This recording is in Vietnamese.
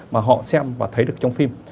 mà họ xem và thấy được trong phim